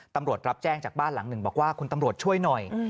ตำรวจรับแจ้งจากบ้านหลังหนึ่งบอกว่าคุณตำรวจช่วยหน่อย